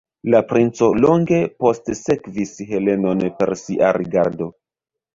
La princo longe postsekvis Helenon per sia rigardo.